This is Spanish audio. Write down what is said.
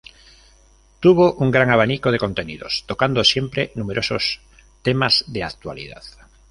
Tuvo un gran abanico de contenidos, tocando siempre numerosos temas de actualidad.